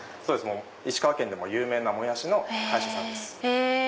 石川県でも有名なモヤシの会社さんです。